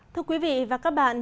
thưa quý vị và các bạn